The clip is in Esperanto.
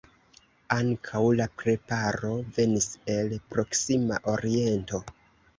Ankaŭ la preparo venis el proksima oriento.